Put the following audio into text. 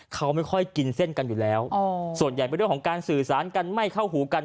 เขาไม่ค่อยกินเส้นกันอยู่แล้วส่วนใหญ่เป็นเรื่องของการสื่อสารกันไม่เข้าหูกัน